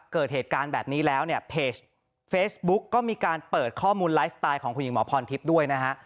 เกิดเหตุการณ์แบบนี้แล้วเนี่ยเพจเฟซบุ๊กก็มีการเปิดข้อมูลไลฟ์สไตล์ของคุณหญิงหมอพรทิพย์ด้วยนะฮะ